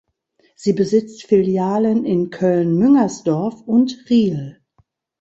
Sie besitzt Filialen in Köln-Müngersdorf und Riehl.